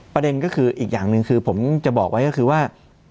ประเด็นก็คืออีกอย่างหนึ่งคือผมจะบอกไว้ก็คือว่า